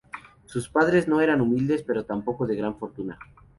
Sus padres no eran humildes, pero tampoco de gran fortuna.